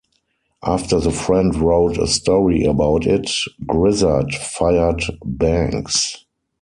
After the friend wrote a story about it, Grizzard fired Banks.